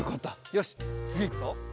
よしつぎいくぞ。